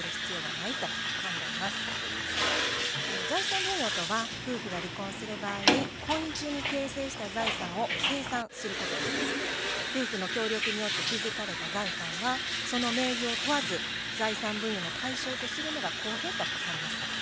財産分与とは夫婦が離婚する場合に婚姻中に夫婦の協力によって築かれた財産はその名義を問わず財産分与の対象とするのが公平とされます。